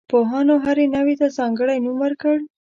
پوهانو هرې نوعې ته ځانګړی نوم ورکړ.